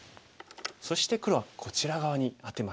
そして黒はこちら側にアテました。